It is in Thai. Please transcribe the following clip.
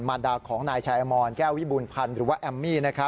รดาของนายชายอมรแก้ววิบูรพันธ์หรือว่าแอมมี่